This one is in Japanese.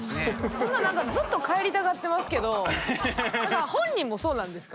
そんな何かずっと帰りたがってますけど本人もそうなんですか？